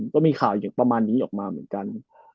ก็มีข่าวอย่างประมาณนี้ออกมาเหมือนกัน